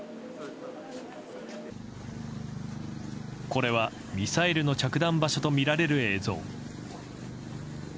これはミサイルの着弾場所とみられる映像。